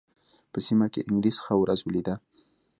په سیمه کې انګلیس ښه ورځ ولېده.